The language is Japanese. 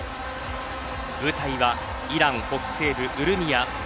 舞台は、イラン北西部ウルミア。